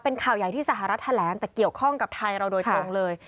เป็นข่าวใหญ่ที่สหรัฐแถลงแต่เกี่ยวข้องกับไทยเราโดยตรงเลย